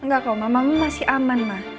gak kau mama mama masih aman ma